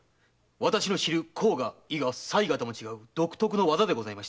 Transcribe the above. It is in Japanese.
私の知る甲賀伊賀雑賀とも違う独特の技でした。